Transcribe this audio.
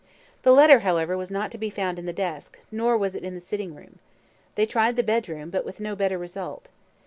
The letter, however, was not to be found in the desk, nor was it in the sitting room. They tried the bedroom, but with no better result.